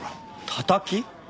タタキ？